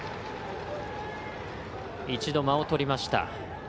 一度、間をとりました。